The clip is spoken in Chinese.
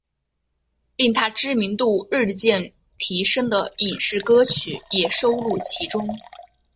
令她知名度日渐提升的影视歌曲也收录其中。